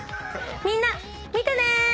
みんな見てね！